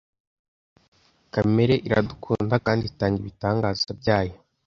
kamere iradukunda kandi itanga ibitangaza byayo